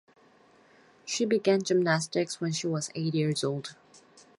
She began gymnastics when she was eight years old.